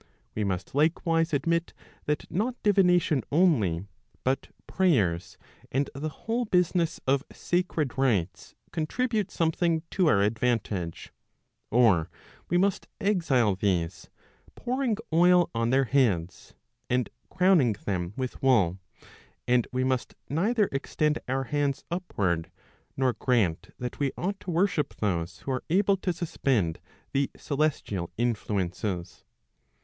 We must likewise admit that not divination only, but prayers, and the whole business of sacred rites contribute something to our advantage, or we must exile these, pouring oil on their heads, and crowning them with wool, and we must neither extend our hands upward, nor grant that we ought to worship those who are able to suspend the celestial influences.